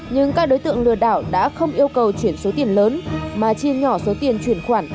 nhưng các đối tượng lừa đảo đã không yêu cầu chuyển số tiền lớn mà chia nhỏ số tiền chuyển khoản